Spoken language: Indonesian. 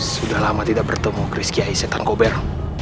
sudah lama tidak bertemu chris kiai setan kober